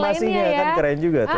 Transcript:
film animasinya kan keren juga tuh